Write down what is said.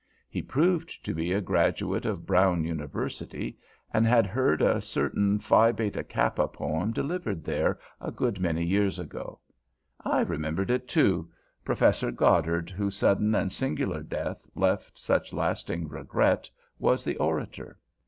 He proved to be a graduate of Brown University, and had heard a certain Phi Beta Kappa poem delivered there a good many years ago. I remembered it, too; Professor Goddard, whose sudden and singular death left such lasting regret, was the Orator.